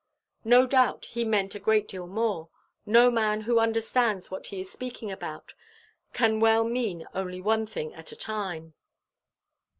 No doubt he meant a great deal more. No man who understands what he is speaking about can well mean only one thing at a time.